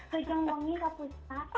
kejang bongi takut